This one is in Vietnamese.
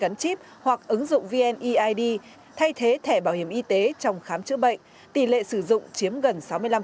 căn cước công dân gắn chip hoặc ứng dụng vneid thay thế thẻ bảo hiểm y tế trong khám chữa bệnh tỷ lệ sử dụng chiếm gần sáu mươi năm